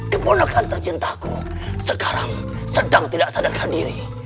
keponakan tercintaku sekarang sedang tidak sadarkan diri